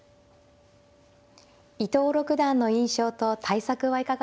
伊藤六段の印象と対策はいかがでしょうか。